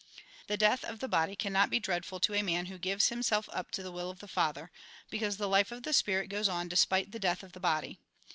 The death of the body cannot be dreadful to a man who gives himself up to the will of the Father, because the life of the Spirit goes on despite the death of the body.